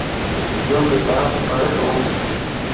يو ڪتاب پڙتون